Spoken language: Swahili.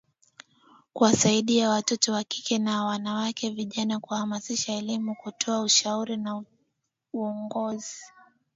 kuwasaidia watoto wa kike na wanawake vijana kuhamasisha elimu kutoa ushauri na uongozi